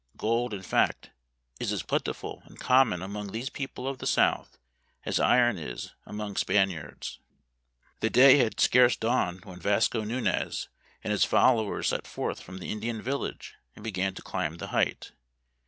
Gold, in fact, is as plentiful and common among these people of the South as iron is among Span iards.' ... "The day had scarce dawned when Vasco Nunez and his followers set forth from the Indian village and began to climb the height.